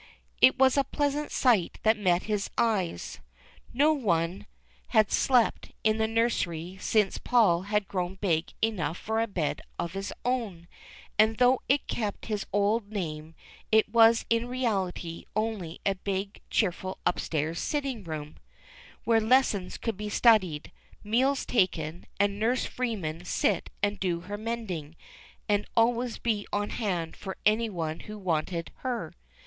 It was a pleasant sight that met his eyes. No one 336 THE CHILDREN'S WONDER BOOK. had slept in the nursery since Paul had grown big enough for a bed of his own, and though it kept its old name, it was in I'eality only a big, cheerful up stairs sitting room, where lessons could be studied, meals taken, and Nurse Freeman sit and do her mend ing and always be on hand for any one who wanted her.